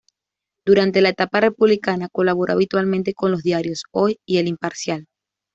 Durante la etapa republicana colaboró habitualmente con los diarios "Hoy" y "El Imparcial".